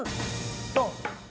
ドン！